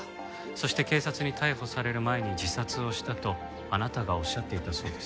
そして警察に逮捕される前に自殺をしたとあなたがおっしゃっていたそうです。